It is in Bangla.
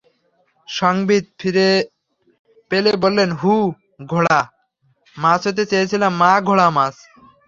সংবিৎ ফিরে পেলে বললেন,-হু, ঘোড়া মাছ হতে চেয়েছিলাম মা, ঘোড়া মাছ।